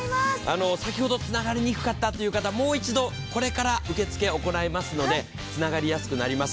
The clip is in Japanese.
先ほどつながりにくかったという方、もう一度これから受け付け、行いますのでつながりやすくなります。